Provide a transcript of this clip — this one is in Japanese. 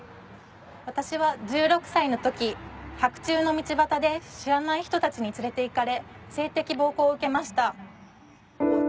私は１６歳の時白昼の道端で知らない人たちに連れて行かれ性的暴行を受けました。